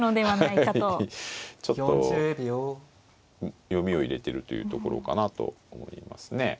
はいちょっと読みを入れてるというところかなと思いますね。